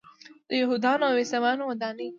د یهودانو او عیسویانو ودانۍ.